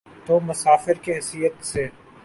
تو مسافر کی حیثیت سے۔